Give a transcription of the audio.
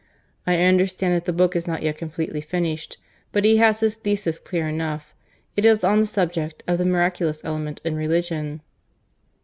I understand that the book is not yet completely finished, but he has his thesis clear enough. It is on the subject of the miraculous element in religion."